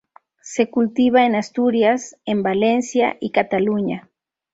Se cultiva en Asturias, en Valencia y Cataluña.